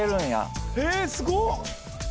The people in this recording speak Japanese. えすごっ！